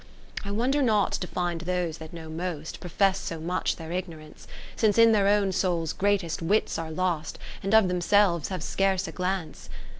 V I wonder not to find those that know most. Profess so much their ignorance ; Since in their own souls greatest wits are lost, And of themselves have scarce a glance.